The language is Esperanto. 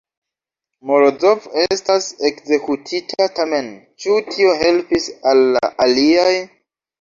Morozov estas ekzekutita, tamen ĉu tio helpis al la aliaj?